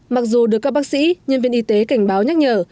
mặc dù được các bác sĩ nhân viên y tế cảnh báo nhắc nhở